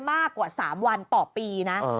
มากกว่า๓วันต่อปีนะ